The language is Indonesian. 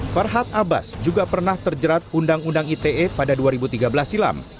farhad abbas juga pernah terjerat undang undang ite pada dua ribu tiga belas silam